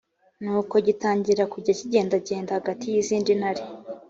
ni uko gitangira kujya kigendagenda hagati y’izindi ntare